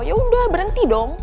ya udah berhenti dong